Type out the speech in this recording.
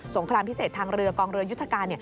งครามพิเศษทางเรือกองเรือยุทธการ